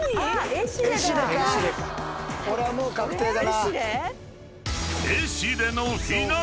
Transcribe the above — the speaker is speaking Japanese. これはもう確定だな。